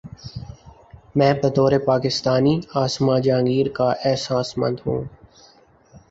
میں بطور پاکستانی عاصمہ جہانگیر کا احساس مند ہوں۔